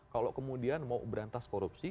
kalau kemudian mau berantas korupsi